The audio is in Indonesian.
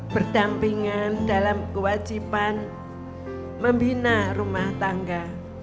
berdampingan dalam kewajiban membina rumah tangga